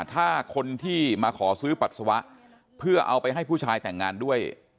ถ้าคนที่มาขอซื้อปัสสาวะเพื่อเอาไปให้ผู้ชายแต่งงานด้วย